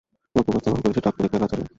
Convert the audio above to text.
তোমাকে উপস্থাপন করেছে টাকলু দেখতে এক আঁতেলে!